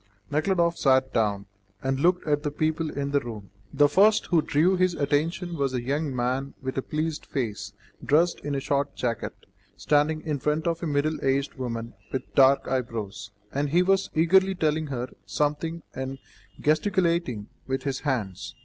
Nekhludoff sat down, and looked at the people in the room. The first who drew his attention was a young man with a pleasant face, dressed in a short jacket, standing in front of a middle aged woman with dark eyebrows, and he was eagerly telling her something and gesticulating with his hands.